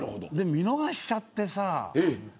見逃しちゃってさ。